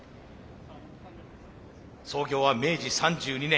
創業は明治３２年。